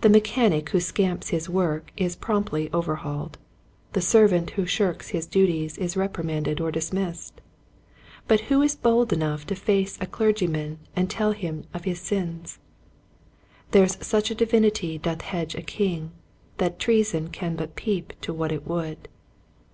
The mechanic who scamps his work is promptly overhauled. The servant who shirks his duties is repri manded or dismissed. But who is bold enough to face a clergyman, and tell him of his sins } "There's such divinity doth hedge a king, That treason can but peep to what it would."